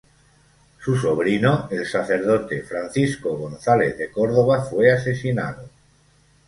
Su sobrino, el sacerdote Francisco González de Córdova fue asesinado.